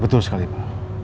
betul sekali pak